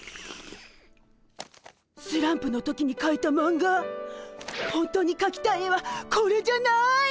スランプの時にかいたマンガほんとにかきたい絵はこれじゃない！